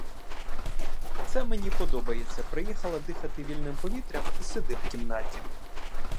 Це мені подобається: приїхала дихати вільним повітрям, і сиди в кімнаті.